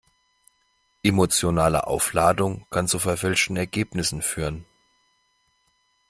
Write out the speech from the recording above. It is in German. Emotionale Aufladung kann zu verfälschten Ergebnissen führen.